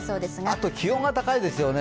あと気温が高いですよね。